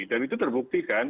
dan itu terbukti kan